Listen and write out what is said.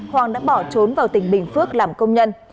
hoàng đã bỏ trốn vào tỉnh bình phước làm công nhân